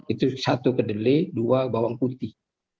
itu satu kedelai dua bawang putih